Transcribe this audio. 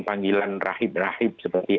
panggilan rahib rahib seperti